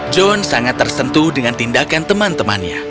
john sangat tersentuh dengan tindakan teman temannya